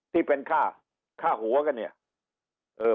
ที่เป็นข้าวค่าหัวก็เป็นนี่